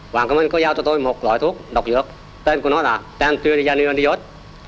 hoàng cơ minh có giao cho tôi một loại thuốc độc dược tên của nó là tanturizanilandios